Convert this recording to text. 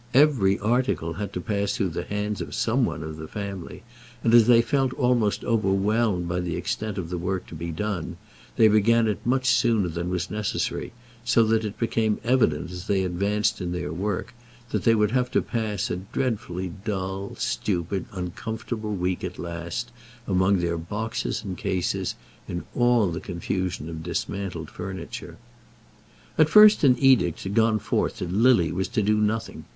Every article had to pass through the hands of some one of the family; and as they felt almost overwhelmed by the extent of the work to be done, they began it much sooner than was necessary, so that it became evident as they advanced in their work, that they would have to pass a dreadfully dull, stupid, uncomfortable week at last, among their boxes and cases, in all the confusion of dismantled furniture. At first an edict had gone forth that Lily was to do nothing.